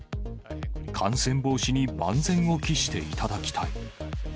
感染防止に万全を期していただきたい。